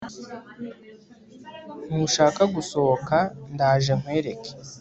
ntushaka gusohoka ndaje nkwereke